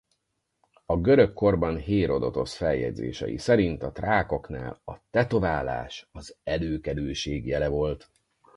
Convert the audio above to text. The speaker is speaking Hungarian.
A görög korban Hérodotosz feljegyzései szerint a trákoknál a tetoválás az előkelőség jele volt.